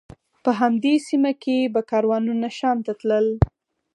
په همدې سیمه به کاروانونه شام ته تلل.